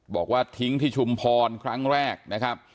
บอกว่าทิ้งที่ชุมพรครั้งแรกนะครับ